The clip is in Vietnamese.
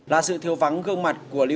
là sự thiếu vắng gương mặt của các bạn